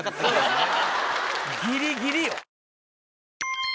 ギリギリよ。